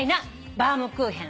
バウムクーヘン。